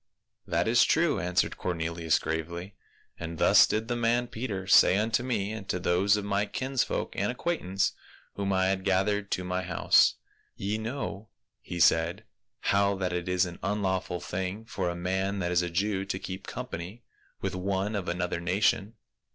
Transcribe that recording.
"That is true," answered Cornelius gravely. "And thus did the man Peter say unto me and to those of my kinsfolk and acquaintance whom I had gathered to my house. * Ye know,' he said, ' how that it is an unlawful thing for a man that is a Jew to keep com pany with one of another nation.